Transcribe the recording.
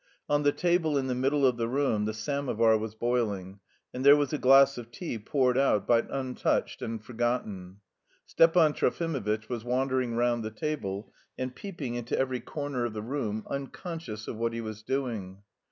On the table in the middle of the room the samovar was boiling, and there was a glass of tea poured out but untouched and forgotten. Stepan Trofimovitch was wandering round the table and peeping into every corner of the room, unconscious of what he was doing.